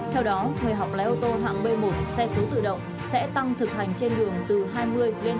theo đó người học lái ô tô hạng b một sẽ tăng thực hành trên đường từ hai mươi h lên hai mươi bốn h